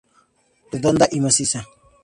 Redonda y maciza.